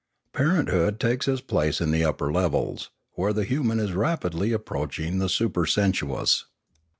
Parenthood takes its place in the upper levels, where the human is rapidly approaching the supersensuous.